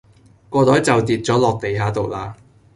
個袋就跌左落地下度啦